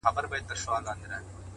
هره تجربه د پوهې نوی اړخ څرګندوي’